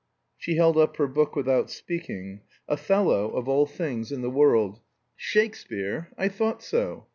She held up her book without speaking. "Othello," of all things in the world! "Shakespeare? I thought so.